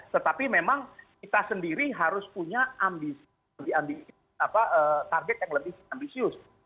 tetapi memang kita sendiri harus punya target yang lebih ambisius